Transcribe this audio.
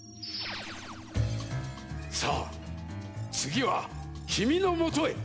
さあつぎはきみのもとへ！